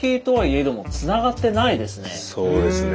そうですね。